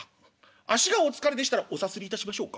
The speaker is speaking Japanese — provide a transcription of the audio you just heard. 足がお疲れでしたらおさすりいたしましょうか？」。